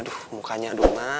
aduh mukanya aduh ma